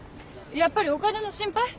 やっぱりお金の心配？